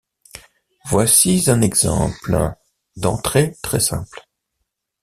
Voici un exemple d'entrée très simple.